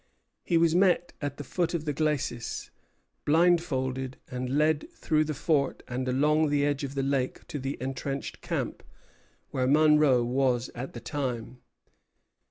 He was met at the foot of the glacis, blindfolded, and led through the fort and along the edge of the lake to the entrenched camp, where Monro was at the time.